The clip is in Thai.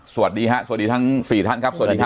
สวัสดีครับสวัสดีทั้ง๔ท่านครับสวัสดีครับ